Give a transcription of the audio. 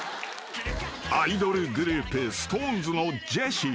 ［アイドルグループＳｉｘＴＯＮＥＳのジェシー］